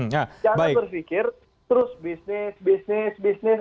jangan berpikir terus bisnis bisnis bisnis